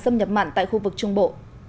không nhập mặn tại khu vực trung bộ